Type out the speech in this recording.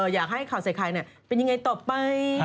อยากให้ข่าวใส่ไข่เป็นยังไงต่อไป